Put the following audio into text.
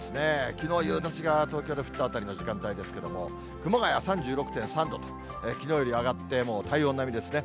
きのう夕立が東京で降ったあたりの時間帯ですけれども、熊谷３６．３度、きのうより上がって、もう体温並みですね。